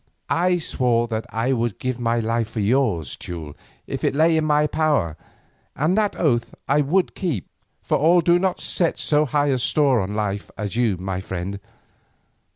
"I swore that I would give my life for yours, Teule, if it lay in my power, and that oath I would keep, for all do not set so high a store on life as you, my friend.